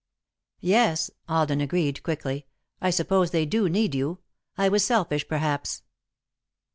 "Yes," Alden agreed, quickly, "I suppose they do need you. I was selfish, perhaps."